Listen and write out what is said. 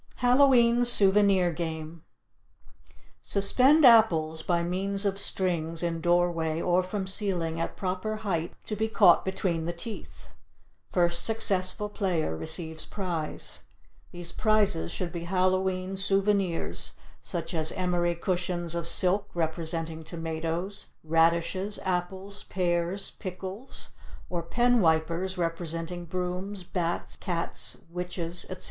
HALLOW E'EN SOUVENIR GAME Suspend apples by means of strings in doorway or from ceiling at proper height to be caught between the teeth. First successful player receives prize. These prizes should be Hallow e'en souvenirs, such as emery cushions of silk representing tomatoes, radishes, apples, pears, pickles; or pen wipers representing brooms, bats, cats, witches, etc.